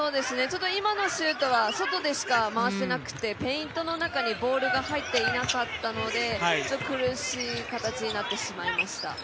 今のシュートは、外でしか回していなくて、ペイントの中にボールが入っていなかったので、苦しい形になってしまいました。